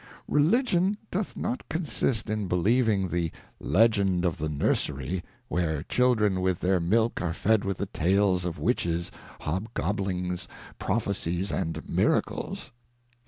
Religion doth not consist in believing the Legend of the Nursery, where Children with their Milk are fed with the Tales of Witches^ Hobgoblings, Prophecies^ and Miracles.